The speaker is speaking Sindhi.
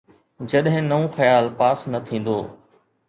جڏهن نئون خيال پاس نه ٿيندو.